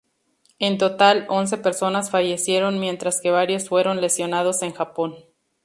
En total, once personas fallecieron mientras que varios fueron lesionados en Japón.